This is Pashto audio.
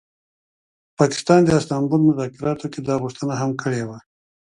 پاکستان د استانبول مذاکراتو کي دا غوښتنه هم کړې وه